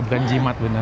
bukan jimat bener